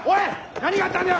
何があったんだよ！